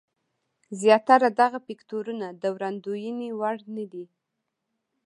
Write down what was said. زیاتره دغه فکټورونه د وړاندوینې وړ نه دي.